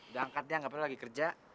udah angkat ya nggak perlu lagi kerja